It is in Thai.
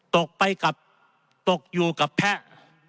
ตกไปกับตกอยู่กับแพะ